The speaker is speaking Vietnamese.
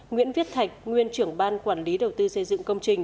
nguyễn viết thạch nguyên trưởng ban quản lý đầu tư xây dựng công trình